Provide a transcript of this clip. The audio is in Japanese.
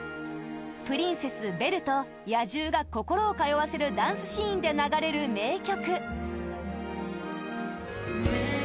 プリンセス、ベルと野獣が心を通わせるダンスシーンで流れる名曲